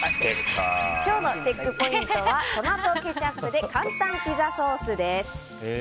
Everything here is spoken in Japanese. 今日のチェックポイントはトマトケチャップで簡単ピザソースです。